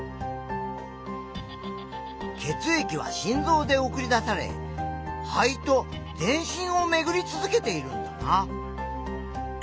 血液は心臓で送り出され肺と全身をめぐり続けているんだな。